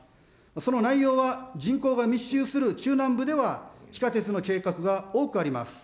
その内容は人口が密集する中南部では地下鉄の計画が多くあります。